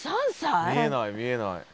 見えない見えない。